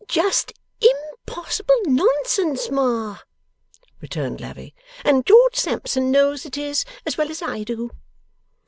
'Just im possible nonsense, Ma,' returned Lavvy, 'and George Sampson knows it is, as well as I do.